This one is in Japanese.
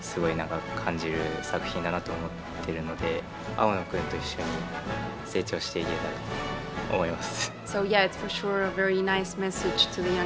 青野くんと一緒に成長していけたらと思います。